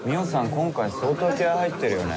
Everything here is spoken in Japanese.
今回相当気合入ってるよね。